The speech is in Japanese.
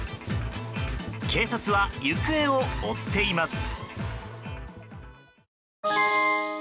警察は、行方を追っています。